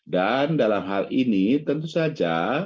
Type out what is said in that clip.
dan dalam hal ini tentu saja